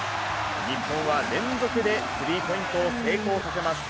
日本は連続でスリーポイントを成功させます。